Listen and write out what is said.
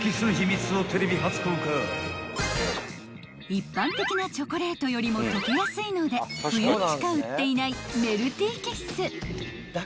［一般的なチョコレートよりも溶けやすいので冬にしか売っていないメルティーキッス］